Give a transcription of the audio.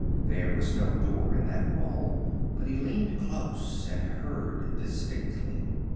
There was no door in that wall, but he leaned close and heard distinctly.